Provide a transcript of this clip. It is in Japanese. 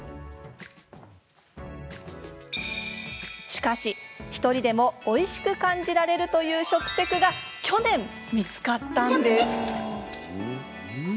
しかし、ひとりでもおいしく感じられるという食テクが去年、見つかったのです。